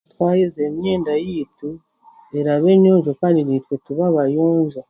Twayoza emyenda yaitu eraba enyonjo kandi naitwe tube abayonjo